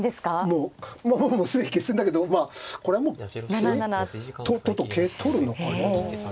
もうもう既に決戦だけどまあこれはもうとっとと桂取るのかな。